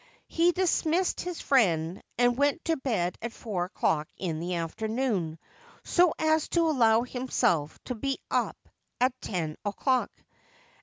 He dismissed his friend, and went to bed at four o'clock in the afternoon, so as to allow himself to be up at ten o'clock.